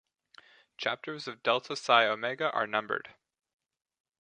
Chapters of Delta Psi Omega are numbered.